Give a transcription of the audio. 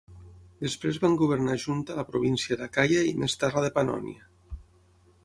Després van governar junta la província d'Acaia i més tard la de Pannònia.